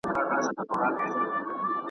دا یوه شېبه مستي ده ما نظر نه کې رقیبه .